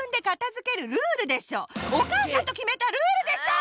お母さんときめたルールでしょ！